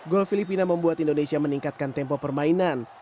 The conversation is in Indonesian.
gol filipina membuat indonesia meningkatkan tempo permainan